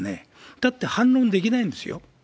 だって反論できないんですよ。